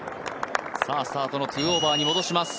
さあ、スタートの２オーバーに戻します。